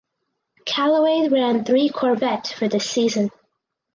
Callaway ran three Corvette for this season.